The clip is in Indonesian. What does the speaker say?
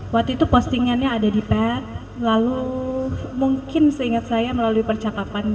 waktu itu postingannya ada di pet lalu mungkin seingat saya melalui percakapan